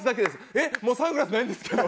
「えっもうサングラスないんですけど」